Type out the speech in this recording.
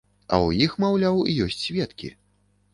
А ў іх, маўляў, ёсць сведкі.